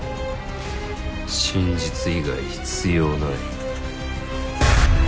真実以外必要ない。